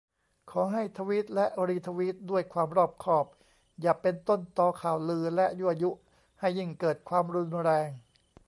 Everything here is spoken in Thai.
ขอให้ทวีต และ รีทวีต ด้วยความรอบคอบ อย่าเป็นต้นตอข่าวลือ และยั่วยุให้ยิ่งเกิดความรุนแรง